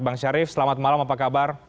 bang syarif selamat malam apa kabar